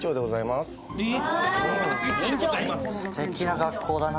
すてきな学校だな。